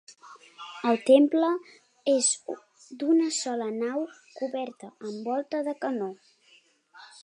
El temple és d'una sola nau coberta amb volta de canó.